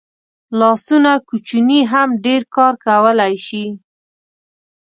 لاسونه کوچني هم ډېر کار کولی شي